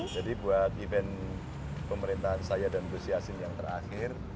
jadi buat event pemerintahan saya dan busi asing yang terakhir